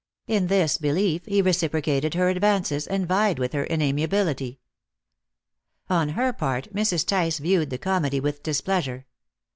In this belief he reciprocated her advances, and vied with her in amiability. On her part, Mrs. Tice viewed the comedy with displeasure.